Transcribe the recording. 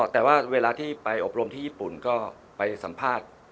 แต่ว่าเวลาที่ไปอบรมที่ญี่ปุ่นก็ไปสัมภาษณ์